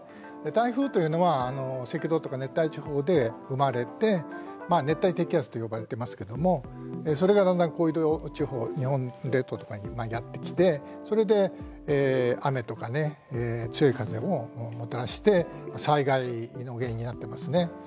台風というのは赤道とか熱帯地方で生まれて熱帯低気圧と呼ばれてますけどもそれがだんだん移動して日本列島とかにやって来てそれで雨とかね強い風をもたらして災害の原因になってますね。